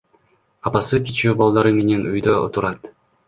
Апасы кичүү балдары менен үйдө отурат.